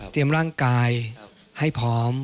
เตรียมร่างกายให้พร้อม